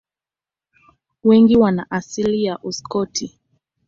Wengi wana asili ya Uskoti.